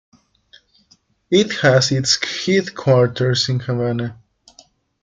It has its headquarters in Havana.